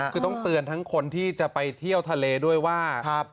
คือต้องเตือนทั้งคนที่จะไปเที่ยวทะเลด้วยว่า